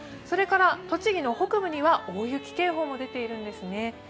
それから、栃木の北部には大雪警報も出ているんですね。